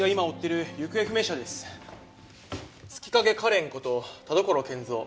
月影カレンこと田所健三。